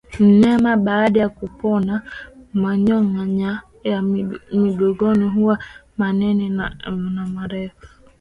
Mnyama baada ya kupona manyoya ya mgongoni huwa manene na marefu